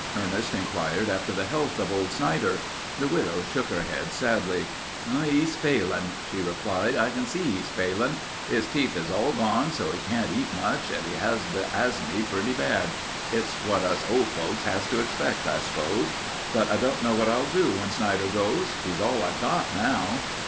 Ernest inquired after the health of old Snider. The widow shook her head sadly. "He's failin'," she replied. "I can see he's failin'. His teeth is all gone so he can't eat much and he has the azmy pretty bad. It's what us old folks has to expect, I s'pose, but I don't know what I'll do when Snider goes. He's all I've got now."